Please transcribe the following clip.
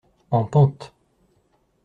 En pente.